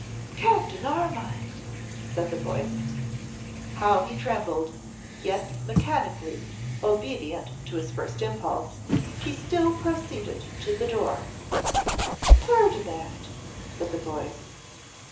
'Captain Armine!' said the voice. How he trembled, yet mechanically obedient to his first impulse, he still proceeded to the door. 'Ferdinand!' said the voice.